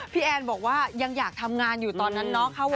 แอนบอกว่ายังอยากทำงานอยู่ตอนนั้นเนาะ